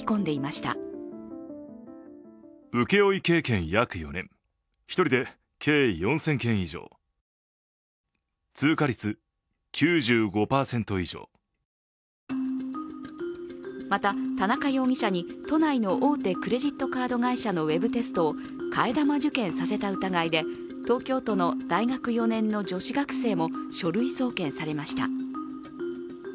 また、田中容疑者に都内の大手クレジットカード会社のウェブテストを替え玉受検させた疑いで東京都の大学４年の女子学生も書類送検されました。